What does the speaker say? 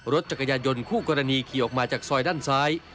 รถจักรยานยนต์คู่กรณีขี่ออกมาจากซอยด้านซ้าย